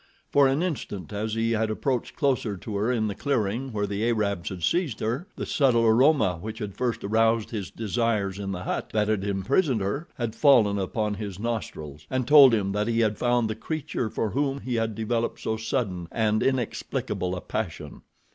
For an instant, as he had approached closer to her in the clearing where the Arabs had seized her, the subtle aroma which had first aroused his desires in the hut that had imprisoned her had fallen upon his nostrils, and told him that he had found the creature for whom he had developed so sudden and inexplicable a passion.